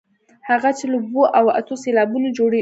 هغه چې له اوو او اتو سېلابونو جوړې شوې.